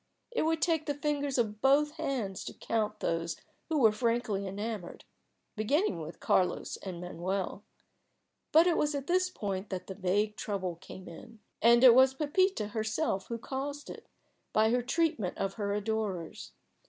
It would take the fingers of both hands to count those who were frankly enamoured, beginning with Carlos and Manuel. But it was at this point that the vague trouble came in. And it was Pepita herself who caused it, by her treatment of her adorers.